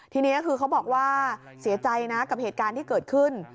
ทีนี้คือเขาบอกว่าเสียใจนะกับเหตุการณ์ที่เกิดขึ้น